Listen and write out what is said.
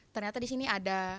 ternyata di sini ada